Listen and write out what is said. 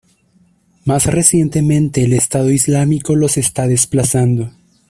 Más recientemente, el Estado Islámico los está desplazando.